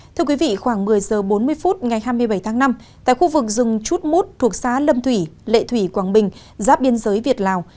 thưa quý vị khoảng một mươi giờ bốn mươi phút ngày hai mươi bảy tháng năm tại khu vực rừng chút mút thuộc xã lâm thủy lệ thủy quảng bình giáp biên giới việt lào